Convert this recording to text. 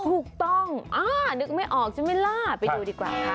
ถูกต้องนึกไม่ออกใช่ไหมล่ะไปดูดีกว่าค่ะ